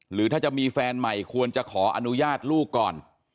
หรือถ้าจะมีแฟนใหม่ควรจะขออนุญาตลูกก่อน